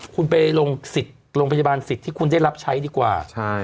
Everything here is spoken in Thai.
คุณไปลงสิทธิ์โรงพยาบาลสิทธิ์ที่คุณได้รับใช้ดีกว่า